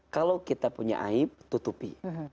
kalau kita punya aib tutupi